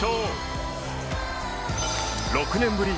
６年ぶり